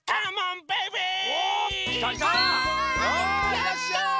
いらっしゃい！